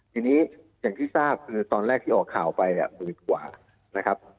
ทีนี้อย่างที่ทราบคือตอนแรกที่ออกข่าวไปเนี่ยหมื่นกว่านะครับ